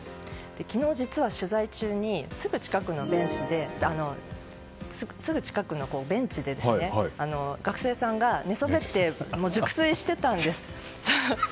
昨日、実は取材中にすぐ近くのベンチで学生さんが寝そべって熟睡してたんです。